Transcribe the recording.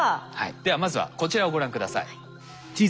ではまずはこちらをご覧下さい。